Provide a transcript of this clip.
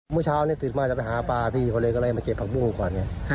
เมื่อเช้าตื่นมาจะไปหาปลาพี่เขาเลยก็เลยมาเก็บผักบุ้งก่อนไง